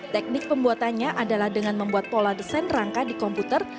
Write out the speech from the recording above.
teknik pembuatannya adalah dengan membuat pola desain rangka di komputer